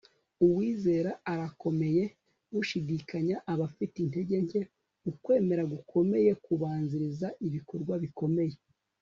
uwizera arakomeye; ushidikanya aba afite intege nke. ukwemera gukomeye kubanziriza ibikorwa bikomeye